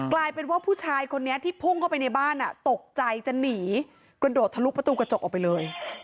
กลายเป็นว่าผู้ชายคนนี้ที่พุ่งเข้าไปในบ้านตกใจจะหนีกระโดดทะลุประตูกระจกออกไปเลย